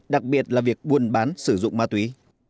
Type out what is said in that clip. đặc biệt là việc buôn bán sử dụng ma túy